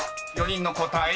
［４人の答え